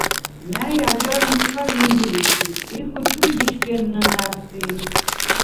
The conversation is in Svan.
ნა̈ჲ აჯაღ ნიხალ ინგლისურ ი ხვითვრიდ იშგენ ნჷნა̈რსი.